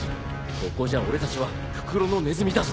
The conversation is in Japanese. ここじゃ俺たちは袋のネズミだぞ。